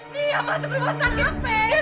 nia masuk rumah sakit mi